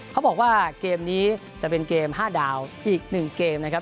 เขาบอกว่าเกมนี้จะเป็นเกม๕ดาวอีก๑เกมนะครับ